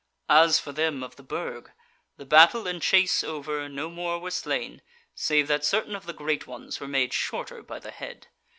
"As for them of the Burg, the battle and chase over, no more were slain, save that certain of the great ones were made shorter by the head.